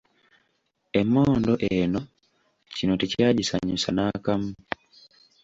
Emmondo eno, kino tekyagisanyusa n'akamu .